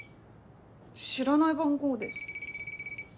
知らない番号です。